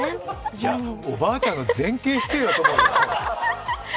いや、おばあちゃんの前傾姿勢だと思うよ。